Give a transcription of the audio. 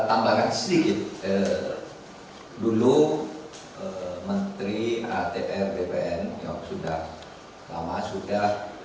tambahan sedikit dulu menteri atpr bpn yang sudah lama sudah